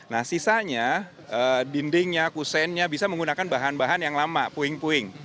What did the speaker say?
nah sisanya dindingnya kusennya bisa menggunakan bahan bahan yang lama puing puing